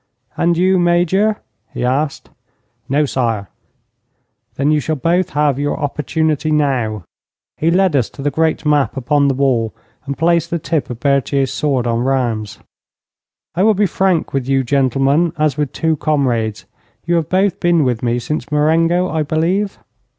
'And you, Major?' he asked. 'No, sire.' 'Then you shall both have your opportunity now.' He led us to the great map upon the wall and placed the tip of Berthier's sword on Rheims. 'I will be frank with you, gentlemen, as with two comrades. You have both been with me since Marengo, I believe?'